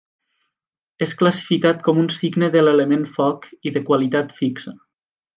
És classificat com un signe de l'element foc i de qualitat fixa.